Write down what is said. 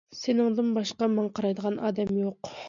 سېنىڭدىن باشقا ماڭا قارايدىغان ئادەم يوق.